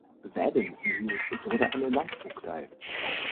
Wädenswil wurde eine Landvogtei.